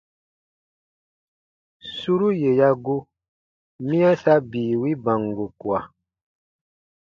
Suru yè ya gu, miya sa bii wi bango kua.